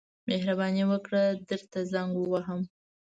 مهرباني وکړه درته زنګ ووهم.